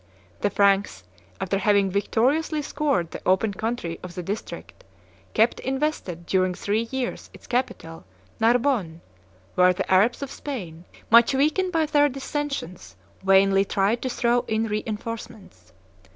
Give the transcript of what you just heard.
The Franks, after having victoriously scoured the open country of the district, kept invested during three years its capital, Narbonne, where the Arabs of Spain, much weakened by their dissensions, vainly tried to throw in re enforcements.